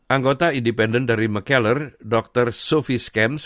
anggota independen dari mckellar dr sophie scamps